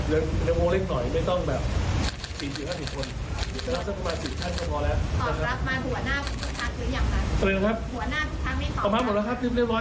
เดี๋ยวโง่เล็กหน่อยไม่ต้องแบบ๔๕๐คนเดี๋ยวเราจะประมาณ๔ท่านพอแล้ว